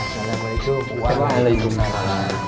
salah satu itu warna minuman